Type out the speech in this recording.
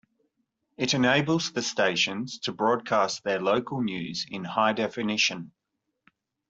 It enables the stations to broadcast their local news in High Definition.